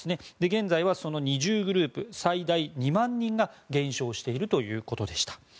現在はその２０グループ最大２万人が減少しているということでした。